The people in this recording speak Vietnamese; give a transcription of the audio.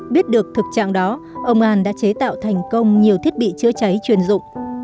biết được thực trạng đó ông an đã chế tạo thành công nhiều thiết bị chữa cháy chuyên dụng